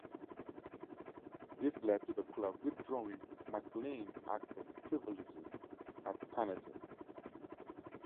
This led to the club withdrawing McLean's access "privileges" at Tannadice.